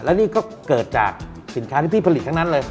และนี่ก็เกิดจากสินค้าที่พี่ผลิตทั้งนั้นเลย